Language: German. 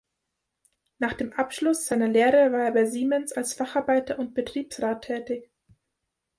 Nach dem Abschluss seiner Lehre war er bei Siemens als Facharbeiter und Betriebsrat tätig.